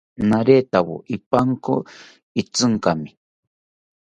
Naretawo ipanko itzinkami